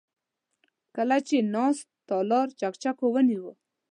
کله چې کېناست، تالار چکچکو ونيو.